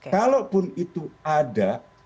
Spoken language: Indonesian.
kalaupun itu ada